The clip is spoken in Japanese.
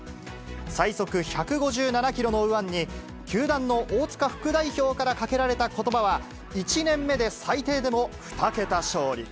最速１５７キロの右腕に、球団の大塚副代表からかけられたことばは、１年目で最低でも２桁勝利。